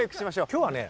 今日はね